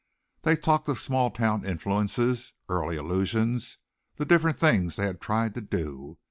They talked of small town influences, early illusions, the different things they had tried to do.